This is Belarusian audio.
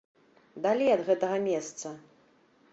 Далей ад гэтага месца!